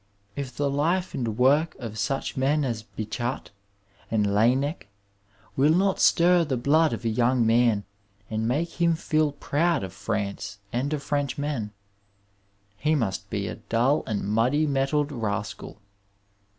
If the Ufe and work of such men as Bichat and Laennec will not stir the blood of a young man and make him feel proud of France and of Frenchmen, he must be a dull and muddy mettled rascal.